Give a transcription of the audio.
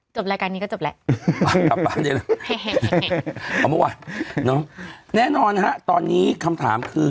จบรายการนี้ก็จบแหละเอามาว่าเนาะแน่นอนฮะตอนนี้คำถามคือ